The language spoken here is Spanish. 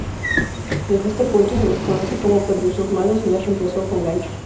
Desde este punto se desconoce como perdió sus manos y las remplazó con ganchos.